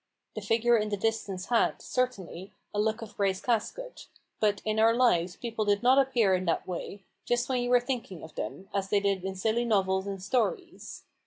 The figure in the distance had, certainly, a look of Grace Casket ; but in our lives people did not appear in that way, just when you were thinking of them, as they did in silly novels and stories.